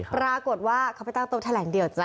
ปรากฏว่าเขาไปตั้งโต๊ะแถลงเดี่ยวจ้